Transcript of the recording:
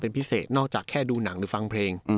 เป็นพิเศษนอกจากแค่ดูหนังหรือฟังเพลง